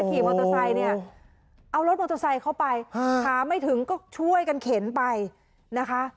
ขี่มอเตอร์ไซค์เนี่ยเอารถมอเตอร์ไซค์เข้าไปหาไม่ถึงก็ช่วยกันเข็นไปนะคะ